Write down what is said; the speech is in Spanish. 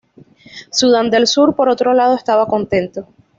Sudán del Sur, por otro lado, estaba contento.